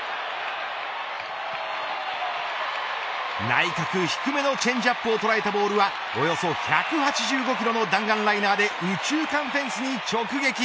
内角低めのチェンジアップを捉えたボールはおよそ１８５キロの弾丸ライナーで右中間フェンスに直撃。